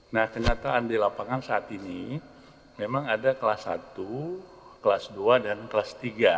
nah kenyataan di lapangan saat ini memang ada kelas satu kelas dua dan kelas tiga